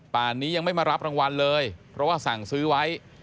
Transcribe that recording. ป่านนี้ยังไม่มารับรางวัลเลยเพราะว่าสั่งซื้อไว้